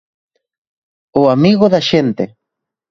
O amigo da xente.